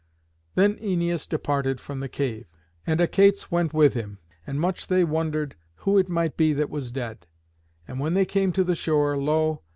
Then Æneas departed from the cave, and Achates went with him, and much they wondered who it might be that was dead. And when they came to the shore, lo!